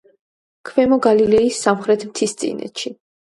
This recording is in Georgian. ქვემო გალილეის სამხრეთ მთისწინეთში.